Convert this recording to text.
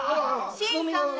新さんも！